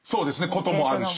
こともあるし。